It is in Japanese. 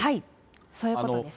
そういうことです。